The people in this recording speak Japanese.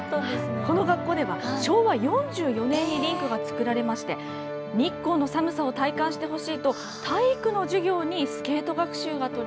この学校では、昭和４４年にリンクが作られまして、日光の寒さを体感してほしいと、体育の授業にスケート学習が取り